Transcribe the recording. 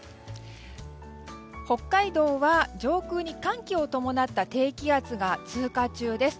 北海道は上空に寒気を伴った低気圧が通過中です。